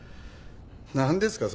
何ですか？